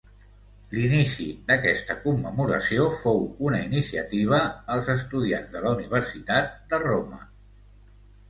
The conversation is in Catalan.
L'inici d'aquesta commemoració fou una iniciativa els estudiants de la Universitat de Roma.